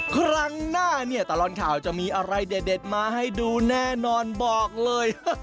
ครั้งหน้าเนี่ยตลอดข่าวจะมีอะไรเด็ดมาให้ดูแน่นอนบอกเลย